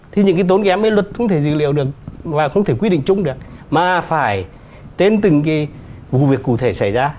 thì những cái tốn kém ấy luật không thể dự liệu được và không thể quyết định chung được mà phải tên từng cái vụ việc cụ thể xảy ra